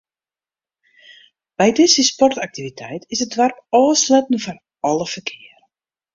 By dizze sportaktiviteit is it doarp ôfsletten foar alle ferkear.